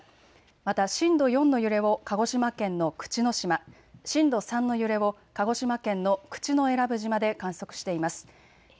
また震度４の揺れを鹿児島県の口之島、震度３の揺れを鹿児島県の口永良部島で観測しています。